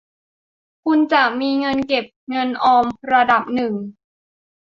คุณจะมีเงินเก็บเงินออมระดับหนึ่ง